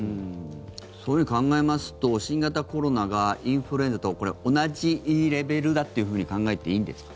そういうふうに考えますと新型コロナがインフルエンザと同じレベルだっていうふうに考えていいんですか？